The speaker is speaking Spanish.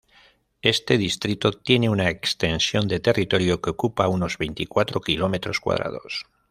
Este distrito tiene una extensión de territorio que ocupa unos veinticuatro kilómetros cuadrados.